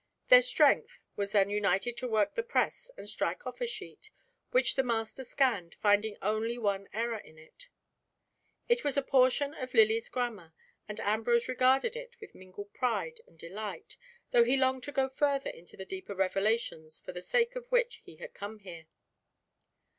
Their strength was then united to work the press and strike off a sheet, which the master scanned, finding only one error in it. It was a portion of Lilly's Grammar, and Ambrose regarded it with mingled pride and delight, though he longed to go further into those deeper revelations for the sake of which he had come here.